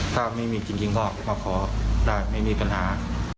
ถ้าไม่มีจริงก็มาขอได้ไม่มีปัญหา